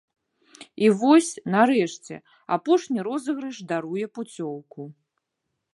І вось, нарэшце, апошні розыгрыш даруе пуцёўку.